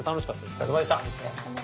お疲れさまでした。